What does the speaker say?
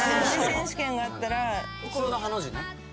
・「普通のハの字ね」